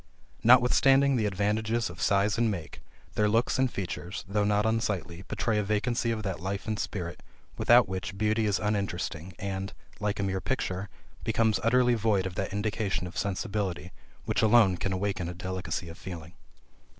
Notwithstanding the advantages of size and make, their looks and features, though not unsightly, betray a vacancy of that life and spirit, without which beauty is uninteresting, and, like a mere picture, becomes utterly void of that indication of sensibility, which alone can awaken a delicacy of feeling.